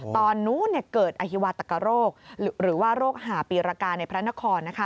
ตอนนู้นเกิดอฮิวาตกโรคหรือว่าโรคหาปีรกาในพระนคร